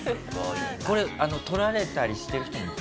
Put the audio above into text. これ取られたりしてる人もいた？